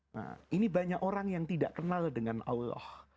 nah ini banyak orang yang tidak kenal dengan allah